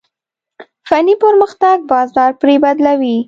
فني پرمختګ بازار پرې بدلوي.